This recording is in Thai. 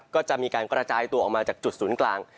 ก็จะมีการกระจายตัวออกมาจากจุดศูนย์กลาง